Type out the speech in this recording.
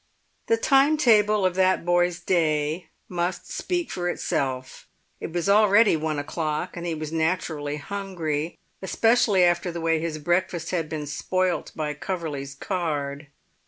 The time table of that boy's day must speak for itself. It was already one o'clock, and he was naturally hungry, especially after the way his breakfast had been spoilt by Coverley's card.